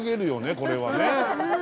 これはね。